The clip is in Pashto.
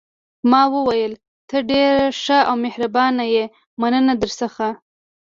ما وویل: ته ډېره ښه او مهربانه یې، مننه درڅخه.